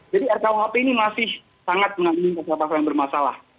jadi rkuhp ini masih sangat menanggung pasal pasal yang bermasalah